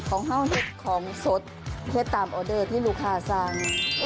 เฮ่าเฮ็ดของสดเฮ็ดตามออเดอร์ที่ลูกค้าสั่ง